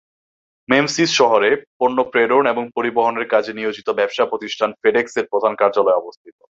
Memphis শহরে পণ্য প্রেরণ ও পরিবহনের কাজে নিয়োজিত ব্যবসা প্রতিষ্ঠান ফেডেক্স-এর প্রধান কার্যালয় অবস্থিত।